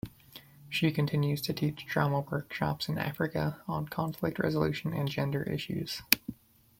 She continues to teach drama workshops in Africa on conflict resolution and gender issues.